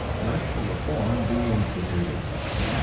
Let the reform be instituted.